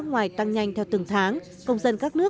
vào lịch sử bốn mươi năm tháng tháng tháng